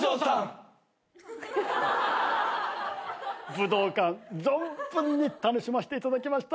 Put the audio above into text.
武道館存分に楽しませていただきました。